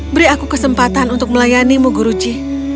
beri aku kesempatan untuk melayani mu guruji